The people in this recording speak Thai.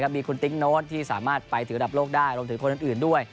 มีคุณติ๊งโน้ตที่สามารถไปถึงระดับโลกได้รวมถึงคนอื่นด้วย